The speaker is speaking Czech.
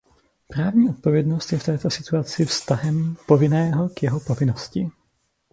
Právní odpovědnost je v této situaci vztahem povinného k jeho povinnosti.